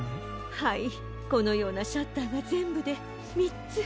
はいこのようなシャッターがぜんぶでみっつ。